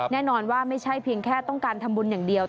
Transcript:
แน่นอนว่าไม่ใช่เพียงแค่ต้องการทำบุญอย่างเดียว